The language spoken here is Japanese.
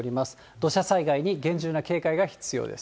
土砂災害に厳重な警戒が必要です。